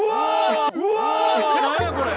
何やこれ！？